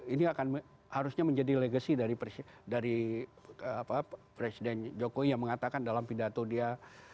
ini akan harusnya menjadi legacy dari presiden jokowi yang mengatakan dalam pidato dia